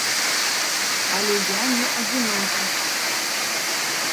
Але я не адзінокі.